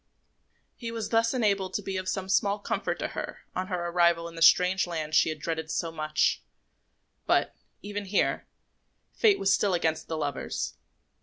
He was thus enabled to be of some small comfort to her on her arrival in the strange land she had dreaded so much; but, even here, fate was still against the lovers.